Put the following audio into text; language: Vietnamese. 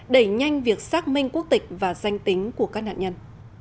đẩy nhanh việc xác minh quốc tịch và danh tính của các nạn nhân